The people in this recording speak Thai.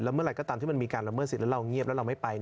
เมื่อไหร่ก็ตามที่มันมีการละเมิดสิทธิ์เราเงียบแล้วเราไม่ไป